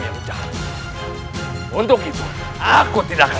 yang jahat untuk itu aku tidak akan